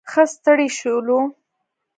ښه ستړي شولو.